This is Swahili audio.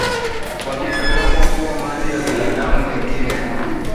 wakitazamwa kuwa mali ya binadamu wengine